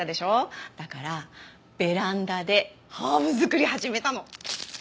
だからベランダでハーブ作り始めたの。